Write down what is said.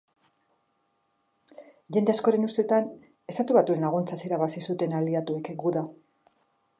Jende askoren ustetan, Estatu Batuen laguntzaz irabazi zuten aliatuek guda.